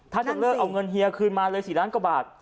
ถ้าจะเลิกเอาเงินเฮียคืนมาเลย๔ล้านกว่าบาท